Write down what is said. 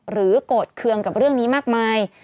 หรือกดเคืองกับเรื่องนี้มากมาย